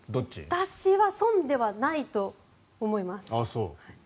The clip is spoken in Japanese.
私は損ではないと思います。